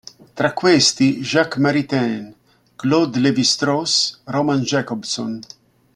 Tra questi Jacques Maritain, Claude Lévi-Strauss, Roman Jakobson.